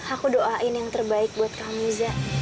aku doain yang terbaik buat kamu za